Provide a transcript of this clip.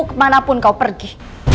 kemanapun kau pergi